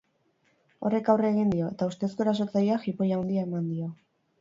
Horrek aurre egin dio, eta ustezko erasotzaileak jipoi handia eman dio.